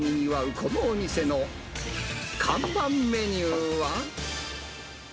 このお店の看板メニューは。